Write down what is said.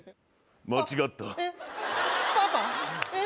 間違ったえっパパえっ？